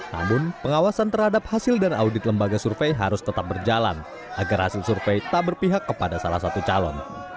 namun pengawasan terhadap hasil dan audit lembaga survei harus tetap berjalan agar hasil survei tak berpihak kepada salah satu calon